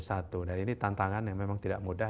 satu dan ini tantangan yang memang tidak mudah